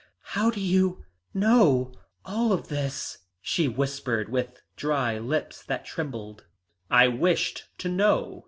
"How do you know all this?" she whispered with dry lips that trembled. "I wished to know.